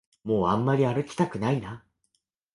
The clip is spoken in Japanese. もうあんまり歩きたくないな